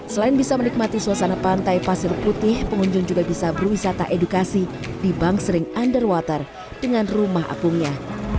selain bisa menikmati suasana pantai pasir putih pengunjung juga bisa berwisata edukasi di bangsering underwater dengan rumah apungnya